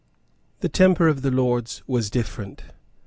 The temper of the Lords was different.